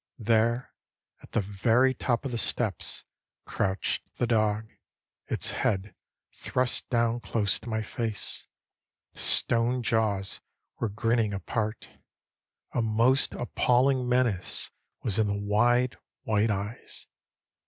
There, at the very top of the steps, crouched the dog, its head thrust down close to my face. The stone jaws were grinning apart. A most appalling menace was in the wide, white eyes.